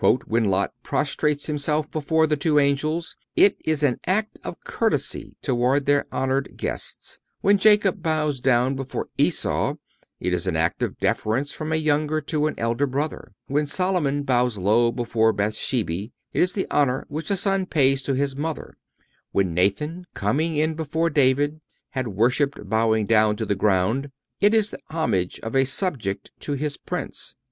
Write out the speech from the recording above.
Adorer): "When Lot prostrates himself before the two angels it is an act of courtesy towards honored guests; when Jacob bows down before Esau it is an act of deference from a younger to an elder brother; when Solomon bows low before Bethsabee it is the honor which a son pays to his mother; when Nathan, coming in before David, 'had worshiped, bowing down to the ground,' it is the homage of a subject to his prince.